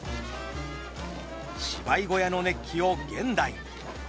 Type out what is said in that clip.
芝居小屋の熱気を現代に。